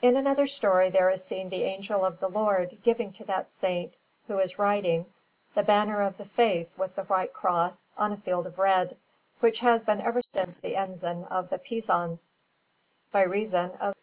In another story there is seen the Angel of the Lord giving to that Saint, who is riding, the banner of the Faith with the white Cross on a field of red, which has been ever since the ensign of the Pisans, by reason of S.